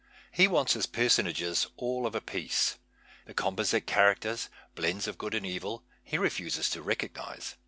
He wants his personafjes all of a piece. Tiie com posite ciiaracters, blends of good and evil, he refuses to recognize.